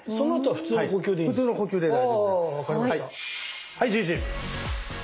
普通の呼吸で大丈夫です。はいじいじ！